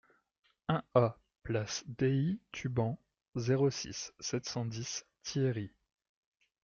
un A place Dei Tubans, zéro six, sept cent dix, Thiéry